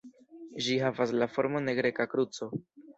Ĝi havas la formon de Greka kruco.